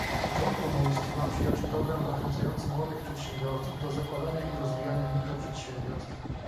Rząd rumuński ma przyjąć program zachęcający młodych przedsiębiorców do zakładania i rozwijania mikroprzedsiębiorstw